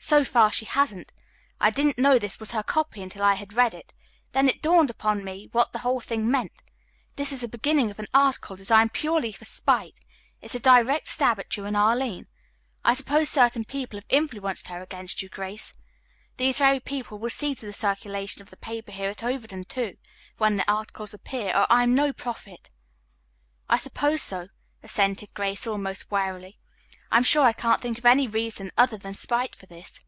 So far she hasn't. I didn't know this was her copy until I had read it. Then it dawned upon me what the whole thing meant. This is the beginning of an article designed purely for spite. It is a direct stab at you and Arline. I suppose certain other people have influenced her against you, Grace. These very people will see to the circulation of the paper here at Overton, too, when the article appears, or I'm no prophet." "I suppose so," assented Grace almost wearily. "I am sure I can't think of any reason other than spite for this."